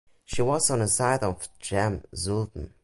She was on the side of Cem Sultan.